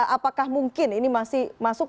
apakah mungkin ini masih masuk